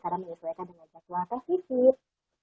alhamdulillah sudah join teh vivid pada malam hari ini